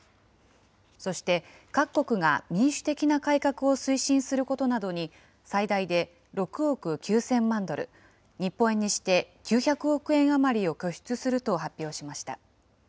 そして、各国が民主的な改革を推進することなどに、最大で６億９０００万ドル、日本円にして９００億円余りを拠出すると発表しました。